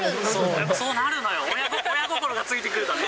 やっぱそうなるのよ、親心がついてくるとね。